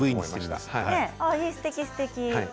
すてきすてき。